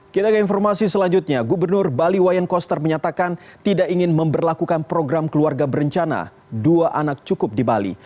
kita ke informasi selanjutnya gubernur bali wayan koster menyatakan tidak ingin memperlakukan program keluarga berencana dua anak cukup di bali